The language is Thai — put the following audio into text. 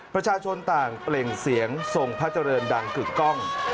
ประชาชนต่างเปล่งเสียงทรงพระเจริญดังกึกกล้อง